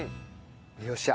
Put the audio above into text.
よっしゃ。